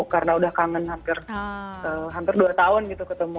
karena udah kangen hampir dua tahun gitu ketemu